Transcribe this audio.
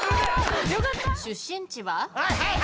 出身地は？